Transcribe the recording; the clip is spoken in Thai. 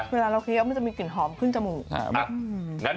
เวลาเราเคี้ยวมันจะมีกลิ่นหอมขึ้นจมูก